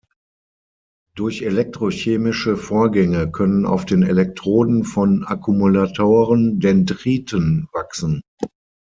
Durch elektrochemische Vorgänge können auf den Elektroden von Akkumulatoren Dendriten wachsen.